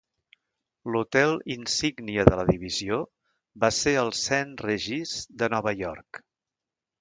L'hotel insígnia de la divisió va ser el Saint Regis de Nova York.